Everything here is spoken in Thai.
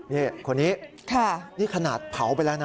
นี่คนนี้นี่ขนาดเผาไปแล้วนะ